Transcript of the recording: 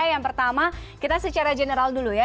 yang pertama kita secara general dulu ya